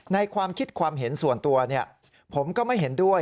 ความคิดความเห็นส่วนตัวผมก็ไม่เห็นด้วย